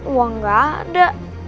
uang gak ada